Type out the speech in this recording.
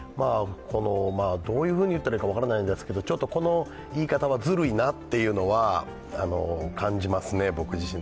どういうふうに言ったらいいか分からないんですけど、この言い方はずるいなというのは感じますね、僕自身。